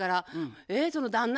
その旦那